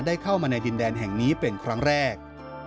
เข้ามาในดินแดนแห่งนี้เป็นครั้งแรก